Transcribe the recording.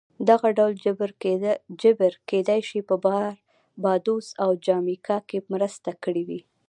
دغه ډول جبر کېدای شي په باربادوس او جامیکا کې مرسته کړې وي